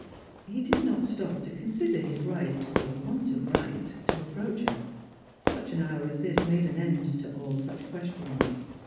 He did not stop to consider his right, or want of right, to approach her. Such an hour as this made an end to all Buch questions.